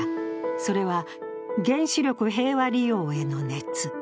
それは原子力平和利用への熱。